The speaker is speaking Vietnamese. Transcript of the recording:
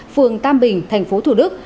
phường tam bình tp thủ đức